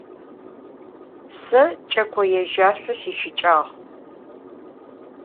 Se ç'eko yêjaşso sişıç'ağ.